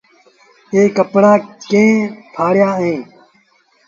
ايٚ ڪپڙآن کي ڦآڙيو آئي۔